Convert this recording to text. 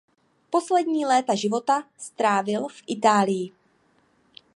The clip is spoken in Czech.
Poslední léta života strávil v Itálii.